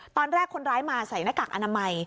ตอนแรกคนร้ายมาใส่หน้ากากอนามัย